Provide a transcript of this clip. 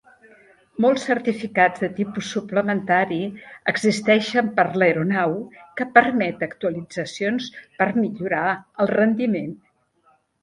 Molts certificats de tipus suplementari existeixen per l'aeronau que permet actualitzacions per millorar el rendiment.